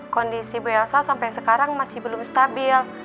kondisi bu elsa sampai sekarang masih belum stabil